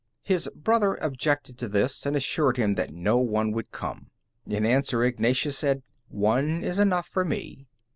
His brother objected to this, and assured him that no one would come. In answer Ignatius said, "One is enough for me."